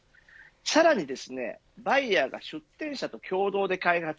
さらにバイヤーが出店者と共同で開発。